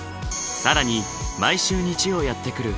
更に毎週日曜やって来る